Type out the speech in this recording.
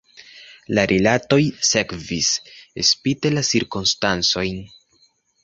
La rilatoj sekvis, spite la cirkonstancojn.